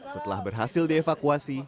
setelah berhasil dievakuasi